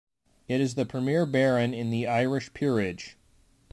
It is the premier baron in the Irish peerage.